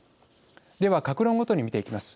では、各論ごとに見ていきます。